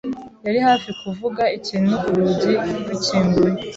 yari hafi kuvuga ikintu urugi rukinguye.